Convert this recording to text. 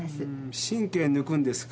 神経抜くんですか？